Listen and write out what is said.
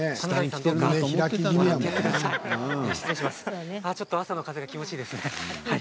ああ、ちょっと朝の風が気持ちいいですね。